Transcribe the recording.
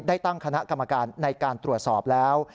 ได้ตั้งคณะกรรมการในการตรวจสอบแล้ว